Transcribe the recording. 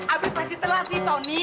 ani pasti terlatih tony